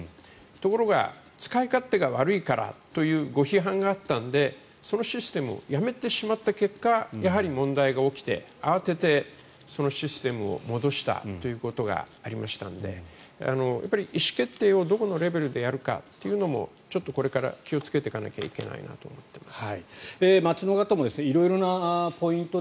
ところが、使い勝手が悪いからというご批判があったのでそのシステムをやめてしまった結果やはり問題が起きて慌てて、そのシステムを戻したということがありましたのでやっぱり意思決定をどこのレベルでやるかというのもちょっとこれから気をつけていかなければいけないなと思っています。